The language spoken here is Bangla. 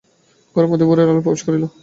ঘরের মধ্যে ভোরের আলো প্রবেশ করিল।